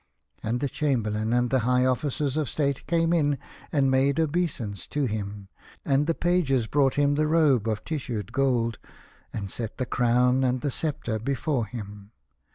And the Chamberlain and the high officers of State came in and made obeisance to him, and the pages brought him the robe of tissued gold, and set the crown and the sceptre before him.